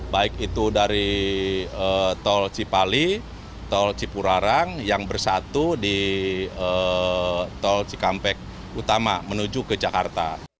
baik itu dari tol cipali tol cipularang yang bersatu di tol cikampek utama menuju ke jakarta